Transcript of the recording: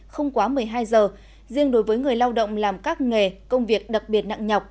không quá một mươi hai giờ riêng đối với người lao động làm các nghề công việc đặc biệt nặng nhọc